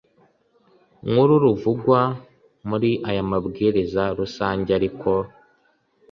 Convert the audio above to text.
Nkuru ruvugwa muri aya mabwiriza rusange Ariko